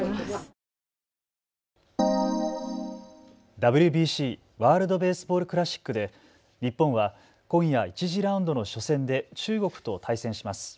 ＷＢＣ・ワールド・ベースボール・クラシックで日本は今夜、１次ラウンドの初戦で中国と対戦します。